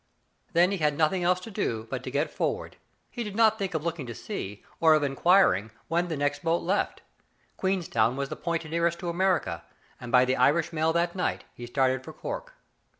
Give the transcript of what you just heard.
Then he had nothing ebe to do but to get for ward. He did not think of looking to see, or of inquiring when the next boat left. Queenstown was the point nearest to America, and, by the Irish mail that night, he started for Cork.